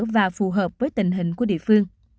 và phù hợp với tình hình của địa phương